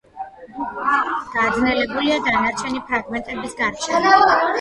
გაძნელებულია დანარჩენი ფრაგმენტების გარჩევა.